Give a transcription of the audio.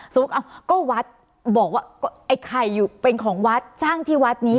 สมมุติว่าก็วัดบอกว่าไอ้ไข่เป็นของวัดสร้างที่วัดนี้